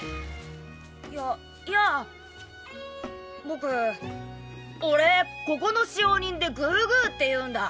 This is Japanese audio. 僕俺ここの使用人でグーグーっていうんだ。